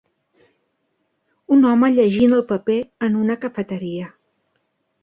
Un home llegint el paper en una cafeteria.